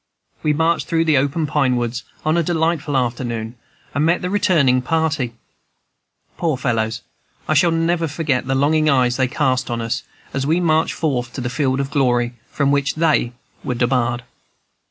We marched through the open pine woods, on a delightful afternoon, and met the returning party. Poor fellows! I never shall forget the longing eyes they cast on us, as we marched forth to the field of glory, from which they were debarred.